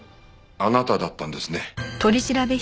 あなただったんですね。